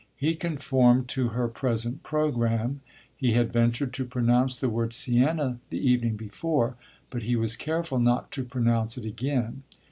He conformed to her present programme; he had ventured to pronounce the word Siena the evening before, but he was careful not to pronounce it again.